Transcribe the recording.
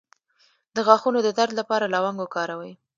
د غاښونو د درد لپاره لونګ وکاروئ